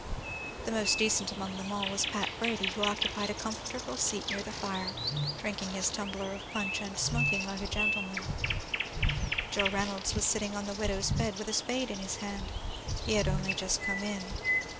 The most decent among them all was Pat Brady, who occupied a comfortable seat near the fire, drinking his tumbler of punch and smoking like a gentleman; Joe Reynolds was sitting on the widow's bed, with a spade in his hand; he had only just come in.